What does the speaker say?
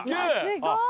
すごーい！